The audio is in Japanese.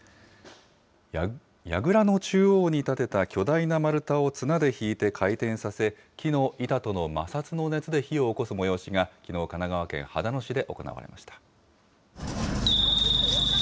やぐらの中央に立てた巨大な丸太を綱で引いて回転させ、木の板との摩擦の熱で火をおこす催しがきのう、神奈川県秦野市で行われました。